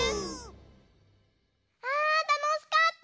あたのしかった！ね。